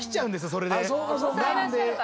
それで。